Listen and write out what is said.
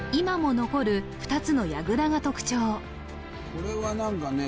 これは何かね